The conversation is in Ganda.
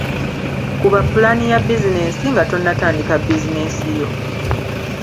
Kuba pulaani ya bizinensi nga tonnatandika bizinensi yo.